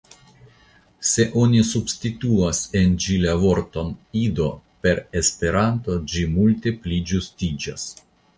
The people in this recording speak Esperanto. Se oni substituas en ĝi la vorton »Ido« per »Esperanto«, ĝi multe pli ĝustiĝas.